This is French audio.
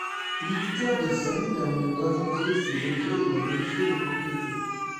L'éditeur de scènes permet d'ajouter ces objets et d'en modifier les propriétés.